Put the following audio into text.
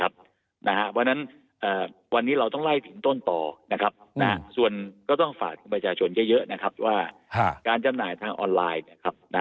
เพราะฉะนั้นวันนี้เราต้องไล่ถึงต้นต่อส่วนก็ต้องฝากถึงประชาชนเยอะนะครับว่าการจำหน่ายทางออนไลน์